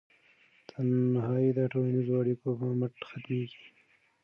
تنهایي د ټولنیزو اړیکو په مټ ختمیږي.